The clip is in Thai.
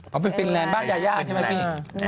บ้านยายาใช่ไหมพี่